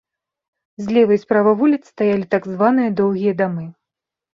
Злева і справа вуліц стаялі так званыя доўгія дамы.